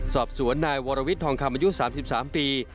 สอบสวนนายวรวิทยทองคำอายุ๓๓ปี